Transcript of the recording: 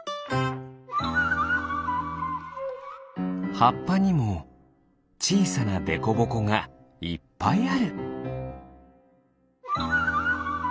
はっぱにもちいさなデコボコがいっぱいある。